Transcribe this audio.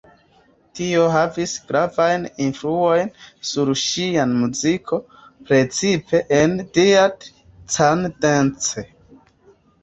Tio havis gravajn influojn sur ŝia muziko, precipe en "Dead Can Dance".